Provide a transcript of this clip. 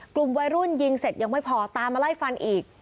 กลุ่มวัยรุ่นยิงเสร็จยังไม่พอตามมาไล่ฟันอีก